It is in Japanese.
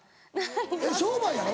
えっ商売やろ？